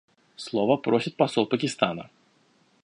Слова просит посол Пакистана.